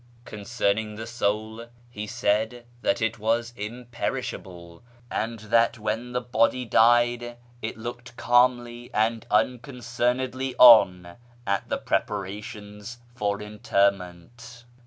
Concerning the soul, he said that it was imperishable, and that when the body died it looked calmly and uncon cernedly on at the preparations for interment.